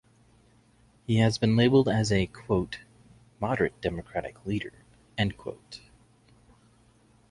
He has been labeled as a "moderate Democratic leader".